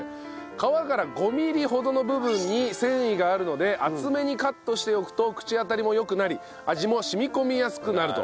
皮から５ミリほどの部分に繊維があるので厚めにカットしておくと口当たりも良くなり味も染み込みやすくなると。